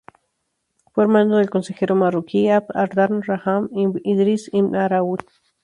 Fue hermano del consejero marroquí Abd ar-Rahmán ibn Idriss al-Amraoui.